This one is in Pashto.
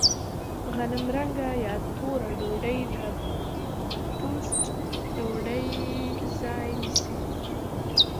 غنمرنګه یا توره ډوډۍ د ټوسټ ډوډۍ ځای نیسي.